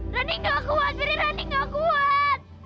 rani nggak kuat beri rani nggak kuat